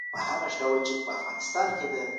ښاروال د خپل ژوند ساتنې لپاره ټولې لارې ولټولې.